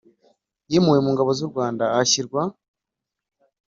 yimuwe mu Ngabo z u Rwanda ashyirwa